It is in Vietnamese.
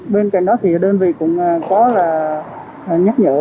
bên cạnh đó thì đơn vị cũng có là nhắc nhở